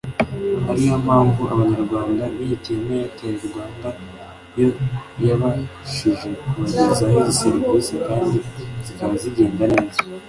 ariyo mpamvu abanyarwanda bihitiyemo Airtel Rwanda yo yabashije kubagezaho izi serivisi kandi zikaba zigenda neza